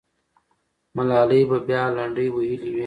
ملالۍ به بیا لنډۍ ویلې وې.